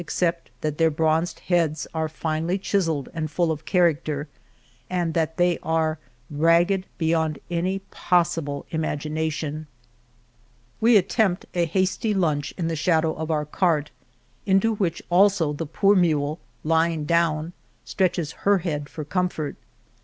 '"\^^^'^ cept that their bronzed heads are finely chis elled and full of character, and that they are ragged beyond any possible imagination. We attempt a hasty lunch in the shadow ii8 El Toboso of our cart, into which also the poor mule, lying down, stretches her head for comfort.